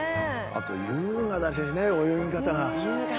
あと優雅だしね泳ぎ方が。